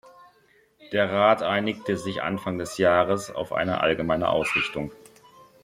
Der Rat einigte sich Anfang des Jahres auf eine allgemeine Ausrichtung.